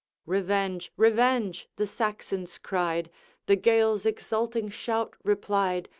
"'Revenge! revenge!" the Saxons cried, The Gaels' exulting shout replied.